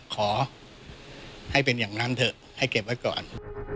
ขอให้เป็นอย่างนั้นเถอะให้เก็บไว้ก่อน